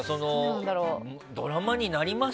ドラマになります？